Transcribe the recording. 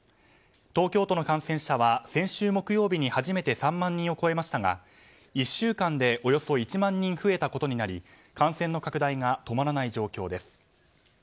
東京都の感染者は先週木曜日に初めて３万人を超えましたが１週間でおよそ１万人増えたことになり感染の拡大が止まらない状況です。